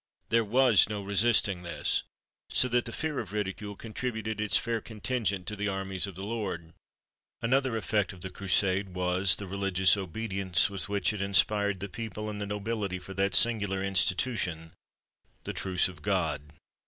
There was no resisting this; so that the fear of ridicule contributed its fair contingent to the armies of the Lord. Another effect of the Crusade was, the religious obedience with which it inspired the people and the nobility for that singular institution "The Truce of God."